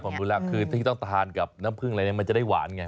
ผมรู้แล้วคือที่ต้องทานกับน้ำผึ้งอะไรเนี่ยมันจะได้หวานไง